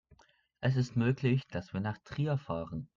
Es ist möglich, dass wir nach Trier fahren